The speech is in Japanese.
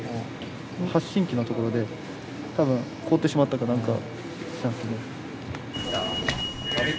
発信機のところで多分凍ってしまったか何かしたんですけど。